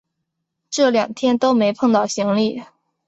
这两天都没碰到行李